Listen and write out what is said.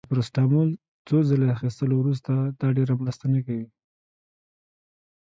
د پاراسټامول څو ځله اخیستلو وروسته، دا ډیره مرسته نه کوي.